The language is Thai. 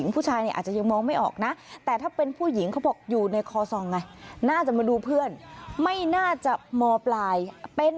งแม่งแม่งแม่งแม่งแม่งแม่งแม่งแม่งแม่งแม่งแม่งแม่ง